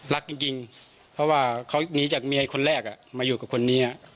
รักจริงเพราะว่าเขาหนีจากเมียคนแรกมาอยู่กับคนนี้